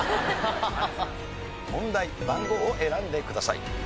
問題番号を選んでください。